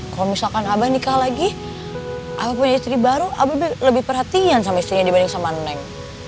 kalau misalkan abah nikah lagi abah punya istri baru abah lebih perhatian sama istrinya dibanding sama neng